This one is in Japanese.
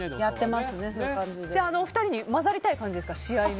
じゃああのお二人に混ざりたい感じですか？